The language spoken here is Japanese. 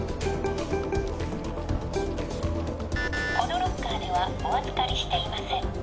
このロッカーではお預かりしていません